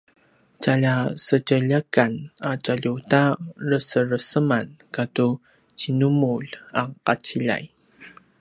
tjalja sedjeljekan a tjalju ta resereseman katu djinumulj a qaciljay